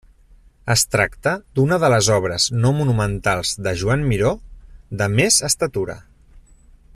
Es tracta d'una de les obres no monumentals de Joan Miró de més estatura.